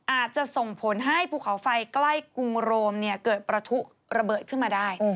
อาจจะส่งผลให้ภูเขาไฟใกล้กรุงโรมเกิดประทุระเบิดขึ้นมาได้